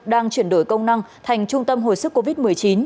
đang chuyển đổi công năng thành trung tâm hồi sức covid một mươi chín